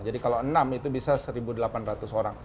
jadi kalau enam itu bisa seribu delapan ratus orang